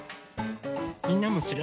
みんなもする？